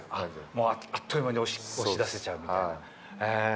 もうあっという間に押し出せちゃうみたいな。